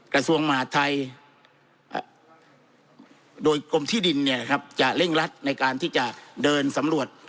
กระทรวงมหาทัยโดยกรมที่ดินจะเร่งรัดในการที่จะเดินสำรวจ